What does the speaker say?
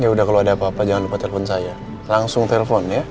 ya udah kalau ada apa apa jangan lupa telepon saya langsung telpon ya